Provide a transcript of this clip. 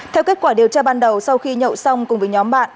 theo kết quả điều tra ban đầu sau khi nhậu xong cùng với nhóm bạn